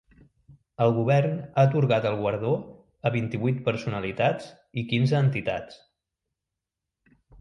El govern ha atorgat el guardó a vint-i-vuit personalitats i quinze entitats.